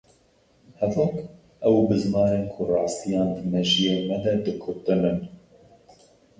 Hevok, ew bizmarên ku rastiyan di mejiyê me de dikutin in.